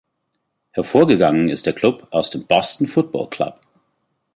Hervorgegangen ist der Club aus dem „Boston Football Club“.